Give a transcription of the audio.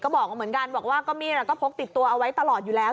ก็บอกเหมือนกันบอกว่าก็มีดก็พกติดตัวเอาไว้ตลอดอยู่แล้ว